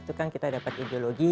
itu kan kita dapat ideologi